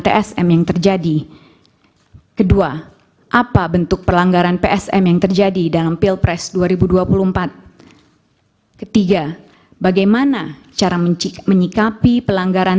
pertama apakah mahkamah konstitusi berwenang untuk memeriksa pelanggaran